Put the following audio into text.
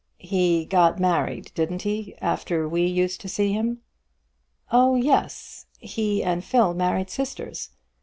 "He got married, didn't he, after we used to see him?" "Oh yes; he and Phil married sisters.